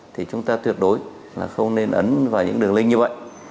thì chúng ta tuyệt đối là không nên ấn vào những đường link như vậy